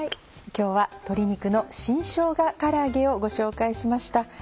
今日は「鶏肉の新しょうがから揚げ」をご紹介しました。